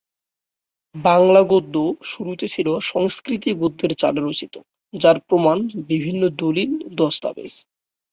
বাংলা গদ্য শুরুতে ছিল সংস্কৃতি গদ্যের চালে রচিত যার প্রমাণ বিভিন্ন দলিল-দস্তাবেজ।